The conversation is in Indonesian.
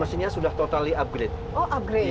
mesinnya sudah totally upgrade